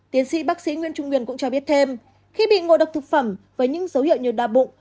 tiến sĩ bác sĩ nguyễn trung nguyên cũng cho biết thêm khi bị ngộ độc thực phẩm với những dấu hiệu như đa bụng